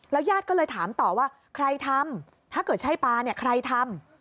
ญาติก็เลยถามต่อว่าใครทำถ้าเกิดใช่ปลาเนี่ยใครทำ